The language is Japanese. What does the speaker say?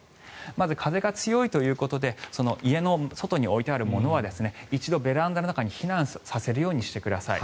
まず風が強いということで家の外に置いてあるものは一度、ベランダの中に避難させるようにしてください。